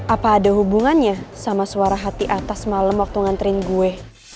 apa ada hubungannya sama suara hati atas malam waktu nganterin gue